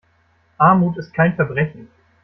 Armut ist kein Verbrechen.